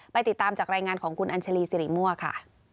ไปติดตามจากรายงานของคุณอัญชรีศิริมวะค่ะ